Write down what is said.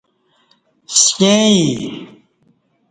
سیں یی